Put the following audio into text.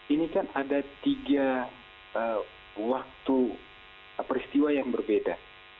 ini kan ada tiga waktu peristiwa yang berbeda